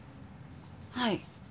はい。